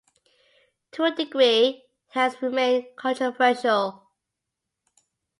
To a degree, it has remained controversial.